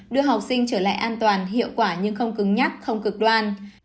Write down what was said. đưa học sinh trở lại an toàn hiệu quả nhưng không cứng nhắc không cực đoan